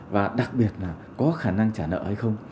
và đặc biệt là có khả năng trả nợ hay không